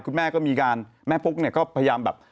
คุณแม่ก็มีการแม่ปุ๊กเนี่ยก็พยายามแบบ